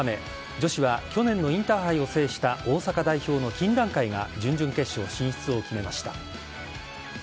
女子は去年のインターハイを制した大阪代表の金蘭会が準々決勝進出を決めました。